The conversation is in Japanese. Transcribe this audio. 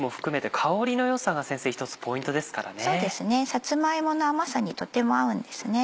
さつま芋の甘さにとても合うんですね。